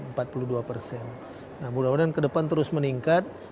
nah mudah mudahan kedepan terus meningkat